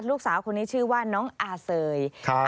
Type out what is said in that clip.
ลูกสาวคนนี้ชื่อว่าน้องอาเซย